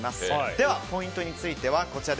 ではポイントについてはこちら。